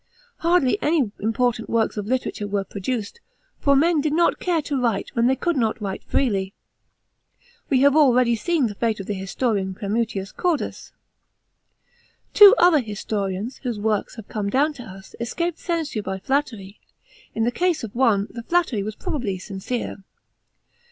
Hardly any important works of liternture were produced, for men did not care to write wh^n thev could not write freely. We have already seen the fate of the historian Cremutius Cordus. Two other historians whose works have come down to us, escaped censure by flattery, In the case of one, the flattery was pr bably sincere.